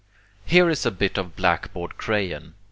Here is a bit of blackboard crayon.